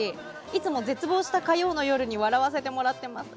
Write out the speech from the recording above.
いつも絶望した火曜の夜に笑わせてもらってます。